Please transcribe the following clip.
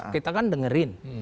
kita kan dengerin